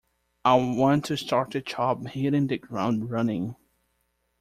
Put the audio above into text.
I want to start the job hitting the ground running.